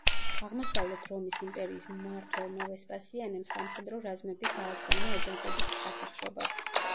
აღმოსავლეთ რომის იმპერიის მმართველმა ვესპასიანემ სამხედრო რაზმები გააგზავნა აჯანყების ჩასახშობად.